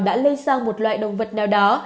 đã lây sang một loại động vật nào đó